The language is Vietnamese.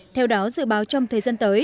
theo đó dự báo trong thế gian tới